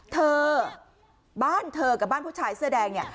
เธอบ้านเธอกับบ้านผู้ชายเสื้อแดงเนี่ย